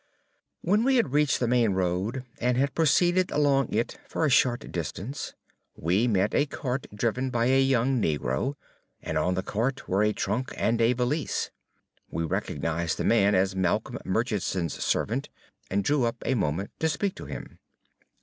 When we had reached the main road and had proceeded along it for a short distance, we met a cart driven by a young negro, and on the cart were a trunk and a valise. We recognized the man as Malcolm Murchison's servant, and drew up a moment to speak to him.